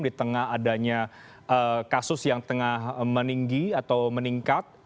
di tengah adanya kasus yang tengah meninggi atau meningkat